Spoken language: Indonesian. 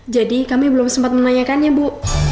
jadi kami belum sempat menanyakannya bu